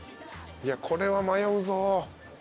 これは迷うぞ。